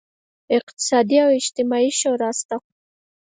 اقتصادي او اجتماعي شورا شته.